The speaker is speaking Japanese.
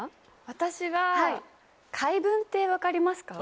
私は回文って分かりますか？